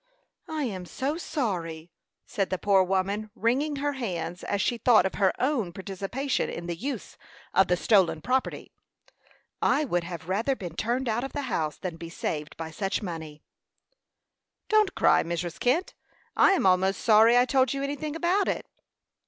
"I am so sorry!" said the poor woman, wringing her hands as she thought of her own participation in the use of the stolen property. "I would rather have been turned out of the house than be saved by such money." "Don't cry, Mrs. Kent. I am almost sorry I told you anything about it."